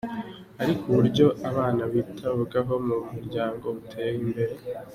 Ariko uburyo abana bitabwaho mu miryango buteye imbere.